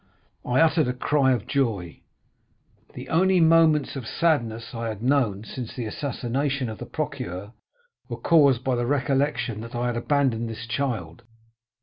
I uttered a cry of joy; the only moments of sadness I had known since the assassination of the procureur were caused by the recollection that I had abandoned this child.